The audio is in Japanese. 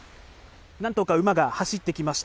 何頭か馬が走ってきました。